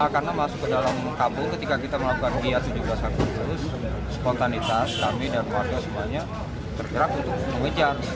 karena masuk ke dalam kampus ketika kita melakukan iat tujuh satu spontanitas kami dan warga semuanya bergerak untuk mengejar